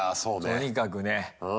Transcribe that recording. とにかくね。